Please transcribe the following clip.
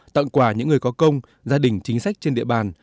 tặng quà những người có công gia đình chính sách trên địa bàn